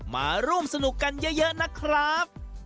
มาร่วมสนุกกันเยอะนะครับ